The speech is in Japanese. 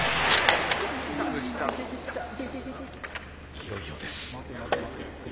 いよいよです。